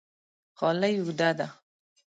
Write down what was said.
غالۍ اوږده ده